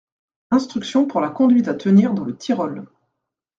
Instruction pour la conduite à tenir dans le Tyrol.